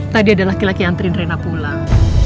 tadi ada laki laki yang anterin rena pulang